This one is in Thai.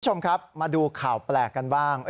คุณผู้ชมครับมาดูข่าวแปลกกันบ้าง